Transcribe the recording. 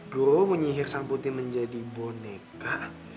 gue menyihir sang putri menjadi boneka